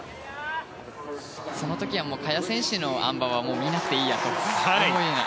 その時は萱選手のあん馬は見なくていいやと思うような。